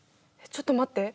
ちょっと待って。